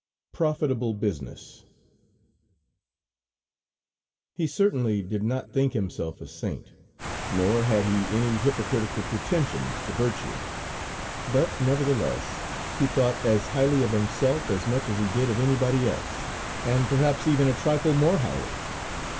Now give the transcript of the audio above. PROFITABLE BUSINESS He certainly did not think himself a saint, nor had he any hypocritical pretensions to virtue, but, nevertheless, he thought as highly of himself as much as he did of anybody else, and perhaps, even a trifle more highly.